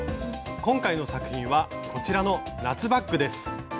今回の作品はこちらの夏バッグです。